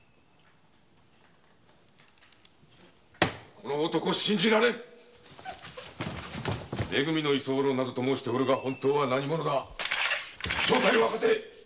この男信じられん「め組の居候」と申しておるが本当は何者だ⁉正体を明かせ。